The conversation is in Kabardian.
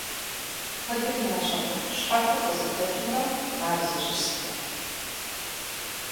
Куэдым ящӀэркъым щхьэхыр къызыхэкӀымрэ ар зищӀысымрэ.